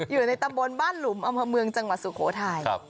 อยู่ในตำบลบ้านหลุมอำเภอเมืองจังหวัดสุโขทัย